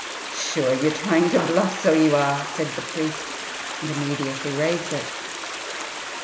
"Sure ye're trying to bluff, so ye are!" said the priest, and immediately raised it.